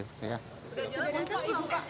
ya saya masuk